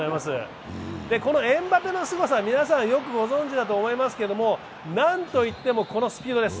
エムバペのすごさは皆さんよくご存じだと思いますが何といってもこのスピードです。